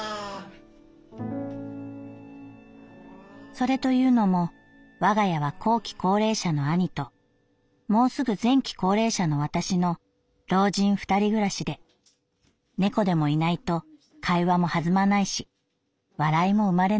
「それと言うのも我が家は後期高齢者の兄ともうすぐ前期高齢者の私の老人二人暮らしで猫でもいないと会話も弾まないし笑いも生まれないからだ」。